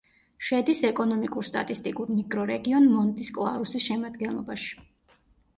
შედის ეკონომიკურ-სტატისტიკურ მიკრორეგიონ მონტის-კლარუსის შემადგენლობაში.